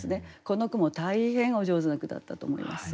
この句も大変お上手な句だったと思います。